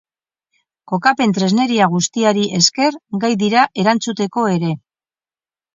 Kokapen tresneria guztiari esker gai dira erantzuteko ere.